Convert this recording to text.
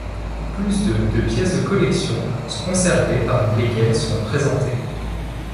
Plus de de pièces de collection sont conservées parmi lesquelles sont présentées.